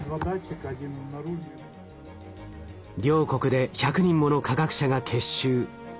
両国で１００人もの科学者が結集。